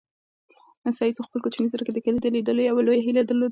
سعید په خپل کوچني زړه کې د کلي د لیدلو یوه لویه هیله درلوده.